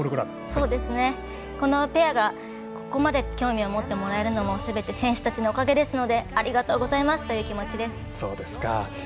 このペアが、ここまで興味を持ってもらえるのもすべて選手たちのおかげですのでありがとうございます！という気持ちです。